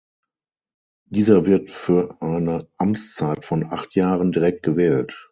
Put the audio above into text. Dieser wird für eine Amtszeit von acht Jahren direkt gewählt.